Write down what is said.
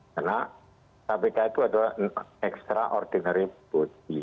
karena kpk itu adalah extraordinary putih